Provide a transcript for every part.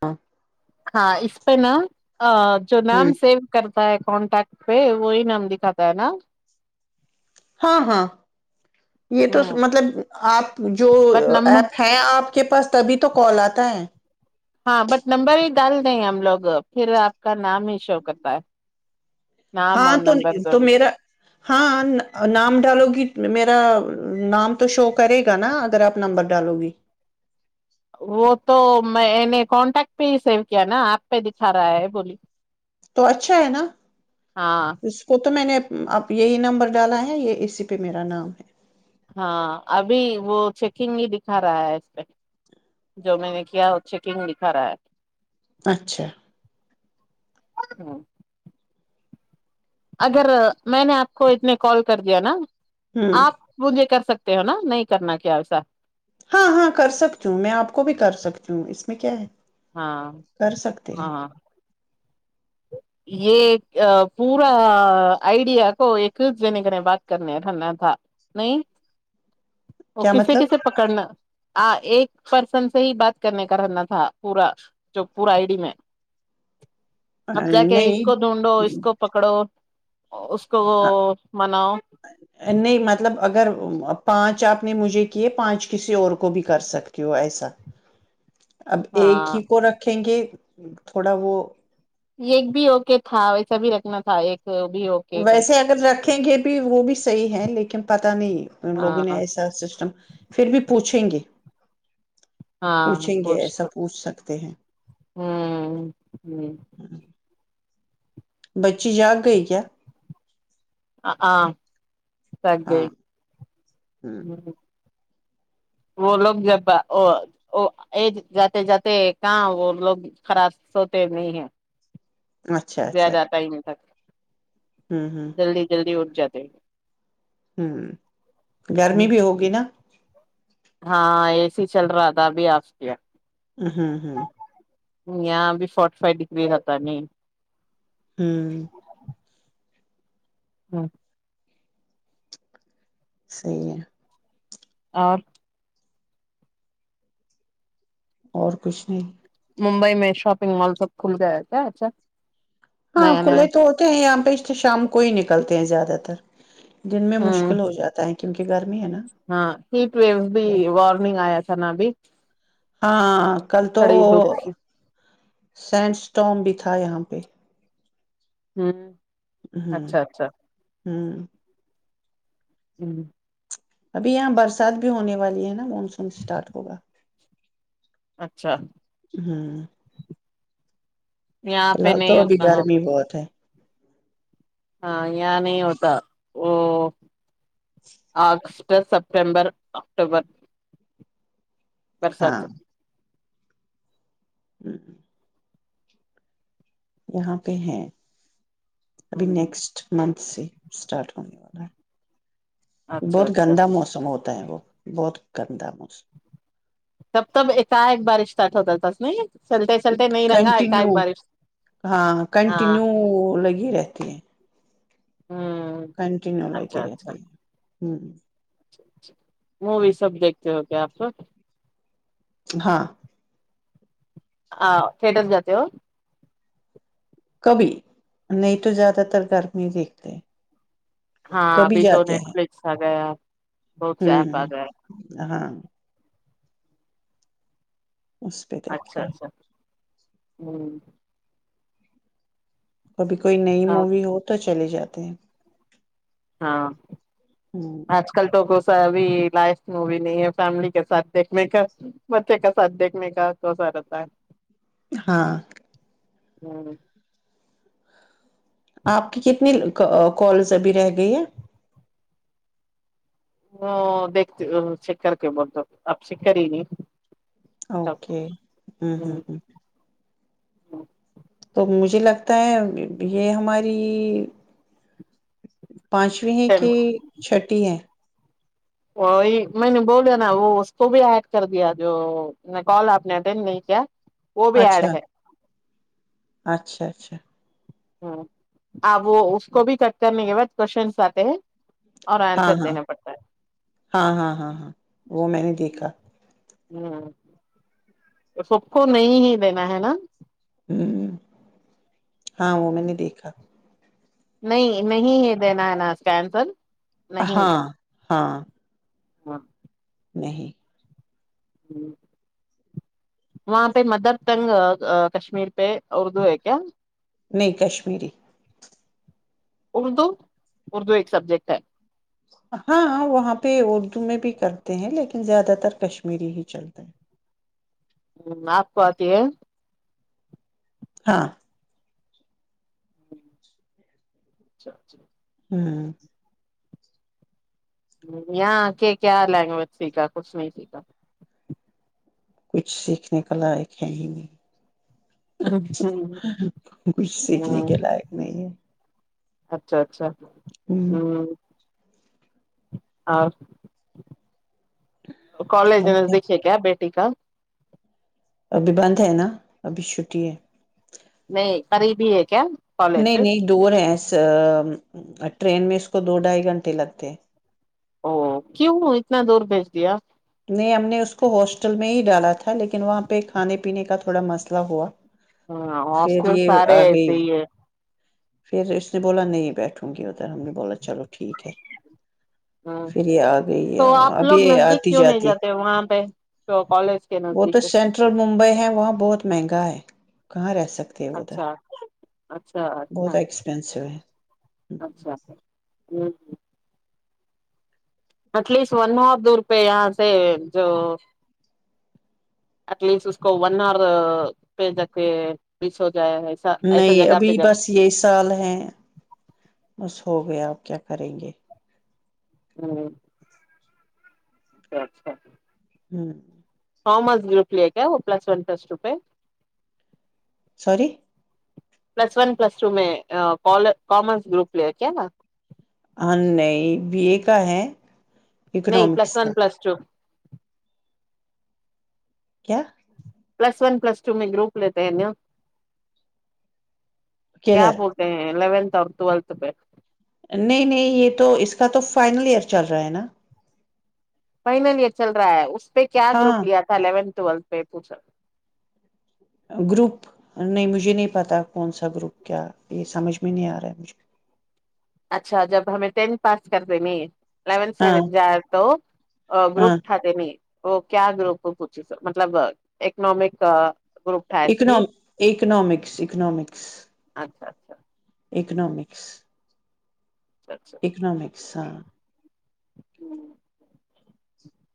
ہاں ہاں اسس پ ن ا جو نام ہوں سیو کر کانٹیکٹ پہ وہی نام دکھاتا ہے نا ہاں ہاں یہ تو ہ مطلب آپ جو بٹ نمبر ایپ ہیں آپ آپ کے پاس تبھی تو کال آتا ہے ہاں بٹ نمبر ہی ڈال دیں ہم لوگ پھر آپ کا نام ہی شو کرتا ہے نام ہاں اور تو نمبر تو دونوں میرا ہاں نام ڈالو گی میرا نام تو شو کرے گا نا اگر آپ نمبر ڈالو گی وہ تو میں نے کانٹیکٹ پہ ہی سیو کیا نا ایپ پہ دکھا رہا ہے بولی تو اچھا ہے نا ہاں اس کو تو میں نے اب یہی نمبر ڈالا ہے یہ اسی پہ میرا نام ہے ہاں ابھی وہ چیکنگ ہی دکھا رہا ہے اس پہ جو میں نے کیا وہ چیکنگ دکھا رہا ہے اچھا ہاں اگر میں نے آپ کو اتنے کال کر دیا نا ہوں آپ مھے کر سکتے تے ہو نا نہیں کرنا کیا ایسا ہاں ہاں کر سکتی ہوں میں آپ کو بھی کر سکتی ہوں اس میں کیا ہے ہاں کر سکتے ہیں ہاں یہ پورا آئیڈیا کو ایکنے کریں بات کرنے نا تھا نہیں وہ کیا کسے کسے مطلب پکڑنا آ ایک پرسن سے ہی بات کرنے کا رہنا تھا پورا جو پورا آئی ڈی میں اب جا کے اس کو ڈھونڈو اس نہیں کو پکڑو اس کو مناؤ نہیں مطلب اگر پانچ آپ نے مجھے کیے پانچ کسی اور کو بھی کر سکتے ہو ایسا اب ایک ہاں ہی کو رکھیں گے تھوڑا وہ ایک بھی اوکے تھا ویسا بھی رکھنا تھا ایک بھی اوکے کر کے ویسے اگر رکھیں گے بھی وہ بھی صحیح ہے لیکن پت نہیں لوگوں ہاں نے ایسا سسٹم پھر بھی پوچھا تنگی ہاں خوش تو سکتے ہیں ہوں ہ بچی جاگ گئی کیا آ سے ہاں ہ [unintelligible] وہ لوگ جب جاتے جاتے کہاں وہ لوگ خراب سوتے نہیں ہیں اچھا اچھا زیادہ ٹائم تک ہوں ہوں جلدی جلدی ہو جاتات ہوں گرمی بھی ہوگی نا ہاں اے سی چل رہا تھا ابھی آ ہمم ہمم اں بھی فورٹی فائیو ڈیگریتا نہیں ہمم ہم صیی ہے آر اور کچھ نہیں ممبئی میں شاپنگ مال سب کھل گیا کیا اچھا ہاں نیا نیا کھلے تو ہوتے ہیں یہاں پہ اس لیے شام کوئی نکل نکلتے ہیں زیادہ تر دن میں ہ مشکل ہو جاتا ہے کیونکہ گھر ہاں ہیٹ ویو بھی وارننگ آیا چنا بھی ہاں ہاں کل تو سینٹ اسٹوم بھی تھا یہاں پہ ہمم اچھا اچھا ہمم ہمم ابھی یہاں برسات بھی ہونے والی ہے نا اسٹارٹ ہوگا اچھا ہوں یہاں فی پہ الحال تو نہیں ابھی اتنا گرمی ہوتا بہت ہے ہاں یہاں نہیں ہوتا وہ آ سپٹمبر اکٹوبر برسات ہاں سے ہ ہ یہاں پہ ہیں ابھی ہوں نیکسٹ منتھ سے اسٹارٹ ہونے والا ہے اچھا بہت اچھا گندا موسم ہوتا وہ بہت گندہ مجھ تب تب کا ایک بارش سٹارٹ ہوتا تس نہیں چلتے چلتے نہیں رنگا کنٹینیو ایکائک بارش ہاں ہاں کنٹینیو لگی رہتی ہیں ہوں کنٹینیو لے کے اچھا اچھا رہتی ہیں ہوں مووی سب دیکھتے ہو گ آپ ہاں ہاں تھٹر جاتات ہو کبھی نہیں تو زیادہ تر گرمی دیکھتے ہیں ہاں کبھی ابھی تو جاتے ہیں نیٹفلکس آ گیا بہت سے ہوں ایپ آ گیا ہاں اس پہ دیکھتے ہیں ہوں کبھی کوئی نئی مووی ہو تو چلے جاتا ت ہاں آج کل تو بھی لائف م بھیی نہیں ہے فیملی کے ساتھ دیکھنے کا بچے کا ساتھ دیکھنے کا کو سا رہتا ہے ہاں ہوں آپ کی کتنی کالز ابھی رہ گئی ہے وہ دیکھتے سر کے بولتے اب سکر ہی نہیں اوکے ہ ہ ہ ہاں تو مجھے لگتا ہے یہ ہماری پانچویں ہے کہ چھٹی ہے وہی میں نے بولو نا وہ اس کو بھی ایڈ کر دیا جو کال آپ نے اٹینڈ نہیں کیا وہ بھی ایڈ اچھا ہے اچھا اچھا ہ آ وہ اس کو بھی کٹ کرنے کے بعد کوشنس آتے ہیں اور ہاں آنسر ہاں دینا پڑتا ہاں ہاں ہاں ہاں وہ میں نے دیکھا ہ سب کو نہیں ہی دینا ہے نا ہوں ہاں وہ میں نے دیکھا نہیں نہیں ہی دینا ہے نا اس کینسل ہاں ہاں ہاں نہیں ہی وہاں پہ مدر ٹنگ کشمیر پہ اردو ہے کیا نہیں کشمیری اردو اردو ایک سبجیکٹ ہے ہاں وہاں پہ اردو میں بھی کرتے ہیں لیکن زیادہ تر کشمیری ہی چلتا ہے ہ آپ کوتی ہے ہاں اچھا اچھا ہوں یہاں کے کیا لینگویج سیکھا کچھ نہیں سیکھا کچھ سیکھنے کا لائق ہے ہی نہیں ہ کچھ سیکھنے کے لائق نہیں ہے اچھا اچھا ہوں ھمم اور کالج د دیکھیے کیا بیٹ [unintelligible] ٹھیکا ابھی بند ہے نا ابھی چھٹی ہے نہیں قریب ہی ہے کیا کالج نہیں نہیں دو رہےس ٹرین میں اس کو دو ڈھائی گھنٹے لگتے ہیں او کیوں اتنا دور بھیج دیا نے ہم نے اس کو ہاسٹل میں ہی ڈالا تھا لیکن وہاں پہ کھانے پینے کا تھوڑا مسئلہ ہوا ہاں پھر ہاسٹل یہ سارے آ گئی ایسے ہی ہے پھر اس نے بولا نہیں بیٹھوں گی ادھر ہم نے بولا چلو ٹھیک ہے ہ پھر یہ آ گئی تو آپ اب لوگ یہ نزدیک آتی کیوں نہیں جاتی جاتے وہاں پہ تو کالج کے وہ نزدیک تو سینٹرل ممبئی ہے وہاں بہت مہنگا ہے کہاں رہس اچھا اچھا بہت اچھا ایکسپینسو ہے ہوں اٹ لیسٹ ون آور دور پہ یہاں سے جو ایٹ لیسٹ اس کو ون آور پہ ج کے جائے ایسا ایسا نہیں جگہ ابھی پہ جا بس یہی سال ہیں بس ہو گیا آپ کیا کریں گے ہوں اچھا اچھاچ ہاں تھامرس گروپ لیا کیا وہ پلس ون پلس ٹو پہ sorry plus one plus two میں کامرس گروپ لے کیا نا ہ نہیں بی اے کا ہے نہیں پلس اکنامکس ون کا پلس ٹو کیا پلس ون پلس ٹو میں گروپ لیتے ہیں ن کیا کدھر بولتے ہیں الیونتھ توب تو ولت ب نہیں نہیں یہ تو اس کا تو فائنل ایئر چل رہا ہے نا فائنل یہ چل رہا ہے اس پہ کیا گروپ ہاں لیا تھا اون ٹلت پہ پو چ گروپ نہیں مجھے نہیں پتا کون سا گروپ کیا یہ سمجھ میں نہیں آ رہا ہے مجھے اچھا جب ہمیں ٹینتھ پاس کرتے نہیں ہاں اونتھٹڈ جائے تو گروپ ہاں اٹھاتے نہیں وہ کیا گروہ کو پوچے س مطلب اکنامک گروپ تھا اس کن کی اکنامکس اکنامکس اچھا اچھا اکنامکس اچھا اچھا اکنامکس ہ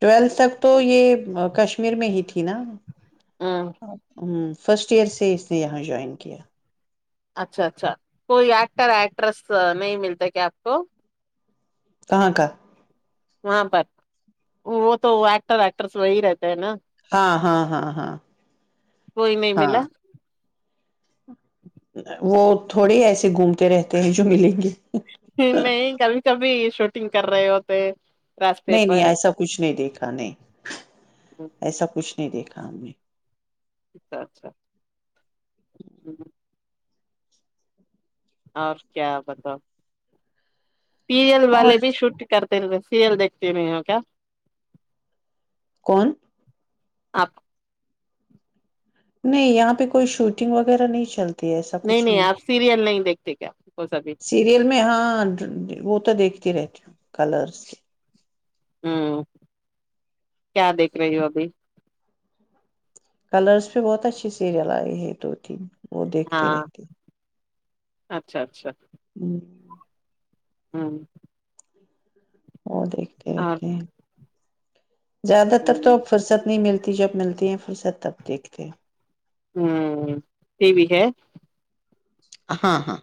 ٹویلتھ تک تو یہ کشمیر می ہیھی کہ نہ ہ ہوں فرسٹ ایئر سے اس نے یہاں جوائن کیا اچھا اچھا کوئی ایکٹر ایکٹریس نہیں ملتا کیا آپ کو کہاں کا وہاں پر وہ تو ایکٹر ایکٹرس وہی رہتے ہیں نا ہاں ہاں ہاں ہاں کوئی نہیں ہاں ملا وہ تھوڑے ایسے گھومتے رہتے ہیں جو ملیں گے نہیں کبھی کبھی شوٹنگ کر رہے ہوتے راستے نہیں نہیں پر ایسا کچھ نہیں دیکھا نہیں ایسا کچھ نہیں دیکھا ہم نے اچھا اچھاچ ہ اور کیا بتاؤ سیریل والے اور بھی شوٹ کرتے رہ و سیریل دیکھتے ہو یہ کیا کون آپ نہیں یہاں پہ کوئی شوٹنگ وغیرہ نہیں چلتی ایسا کچھ نہیں آپ سیریل نہیں دیکھتے کیا بس ابھی سیریل میں ہاں وہ تو دیکھے تی رہتی کلرس سے ہوں کیا دیکھ رہی ہو ابھی کلرس پہ بہت اچھے سیریل آئے ہیں دو تین وہ دیکھتے ہاں رہتے اچھا اچھا ہوں ہاں وہ دیکھتے رہتے ہیں زیادہ تر تو اب فرصت نہیں ملتی جوب ملتی ہے یہ سب تب دیکھتے ہیں ہوں یہ بھی ہے ہاں ہاں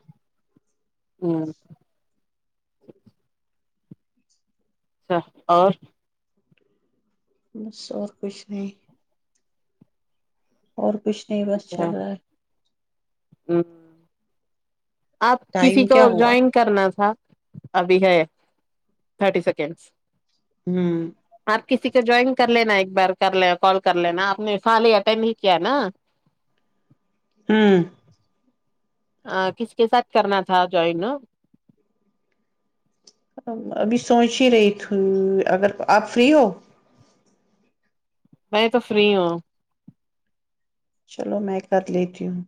ہوں [inaudible] اچھا اور بس اور کچھ نہیں اور کچھ نہیں بس چل رہا ہے ہاں آپ ٹائم کسی کو کیا ہوا جوائن کرنا تھا ابھی ہے تھرٹی سیکنڈس ہوں آپ کسی کو جوائن کر لینا ایک بار کر لین کال کر لینا آپ نے فال ہی اٹینڈ ہی کیا نا ہاں ا کس کے ساتھ کرنا تھا جوائن ابھی سوچ ہی رہی تھی اگر آپ فری ہو میں تو فری ہوں چلو میں کر لیتی ہوں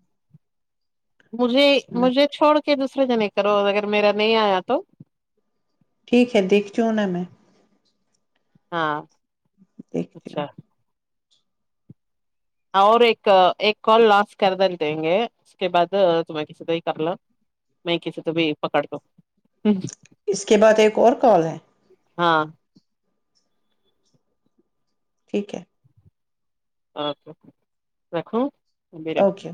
مجھے مجھے چھوڑ دوسرے جنے کرو اگر میرا نہیں آیا تو ٹھیک ہے دیکھ جوں نا میں ہاں دیکھتی ہوں اچھا اور ایک ایک کال لاس کرد دیں گے اس کے بعد تمہیں کسی تو ہی کر ل میں کسی تو بھی پکڑ دو اس کے بعد ایک اور کال ہے ہاں ٹھیک ہے اچکا رھو بیرٹ ہ اوکے